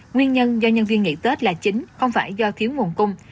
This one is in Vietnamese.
nguyên nhân do nhân viên nghỉ tết là chính không phải do thiếu nguồn cung